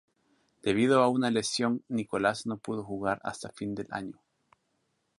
Debido a una lesión, Nicolás no pudo jugar hasta fin del año.